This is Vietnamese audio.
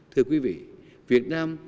thưa quý vị việt nam